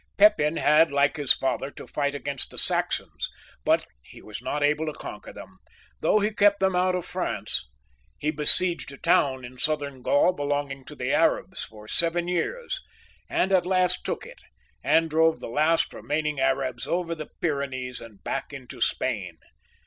'■I Pepin had, like his father, to fight against the Saxons, but he was not able to conquer them, though he kept them out of Franca He besieged a town in Southern Gaul belonging to the Arabs for seven years, and at last took it, and drove the last remaming Arabs over the Pyrenees and back into Spain.